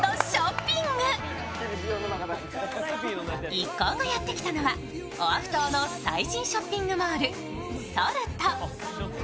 一行がやって来たのはオアフ島の最新ショッピングモール、ＳＡＬＴ。